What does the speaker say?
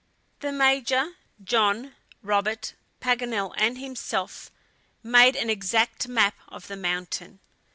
The Major, John, Robert, Paganel, and himself, made an exact map of the mountain.